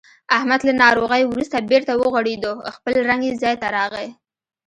احمد له ناروغۍ ورسته بېرته و غوړېدو. خپل رنګ یې ځای ته راغی.